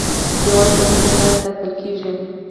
یووالی د مینې له لارې ساتل کېږي.